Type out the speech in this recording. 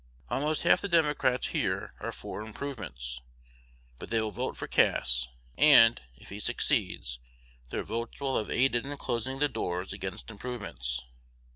Almost half the Democrats here are for improvements, but they will vote for Cass; and, if he succeeds, their votes will have aided in closing the doors against improvements.